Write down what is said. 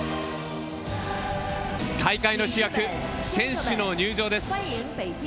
大会の主役選手の入場です。